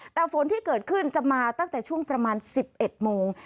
แต่ฝนที่เกิดขึ้นจะมาตั้งแต่ช่วงประมาณ๑๑โมง